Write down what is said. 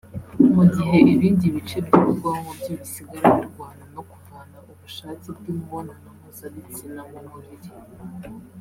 mu gihe ibindi bice by’ubwonko byo bisigara birwana no kuvana ubushake bw’imibonano mpuzabitsina mu mubiri